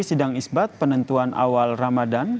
sidang isbat penentuan awal ramadan